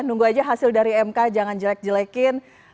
nunggu aja hasil dari mk jangan jelek jelekin